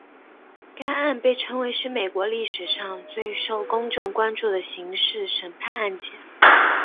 该案被称为是美国历史上最受公众关注的刑事审判案件。